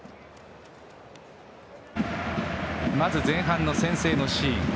まず前半の先制のシーン。